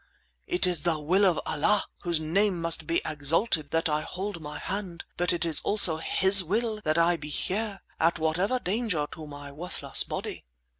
It is the will of Allah, whose name be exalted, that I hold my hand, but it is also His will that I be here, at whatever danger to my worthless body."